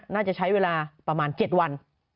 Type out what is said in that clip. น่าจะใช้เวลาประมาณ๗วัน